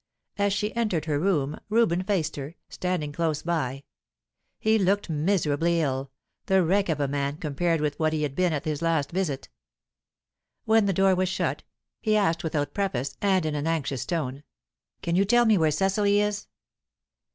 As she entered her room, Reuben faced her, standing close by. He looked miserably ill, the wreck of a man compared with what he had been at his last visit. When the door was shut, he asked without preface, and in an anxious tone: "Can you tell me where Cecily is?"